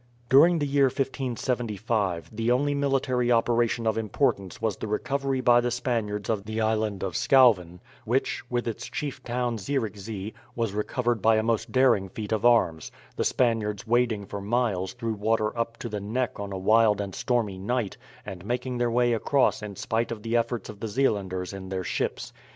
During the year 1575 the only military operation of importance was the recovery by the Spaniards of the Island of Schouwen, which, with its chief town Zierickzee, was recovered by a most daring feat of arms the Spaniards wading for miles through water up to the neck on a wild and stormy night, and making their way across in spite of the efforts of the Zeelanders in their ships.